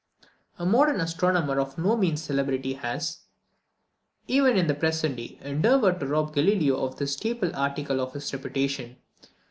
A modern astronomer of no mean celebrity has, even in the present day, endeavoured to rob Galileo of this staple article of his reputation.